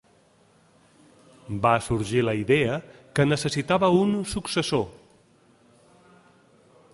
Va sorgir la idea que necessitava un successor.